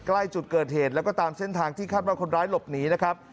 ใกล้จุดเกิดเหตุแล้วก็ตามเส้นทางที่คาดว่าคนร้ายหลบหนีนะครับ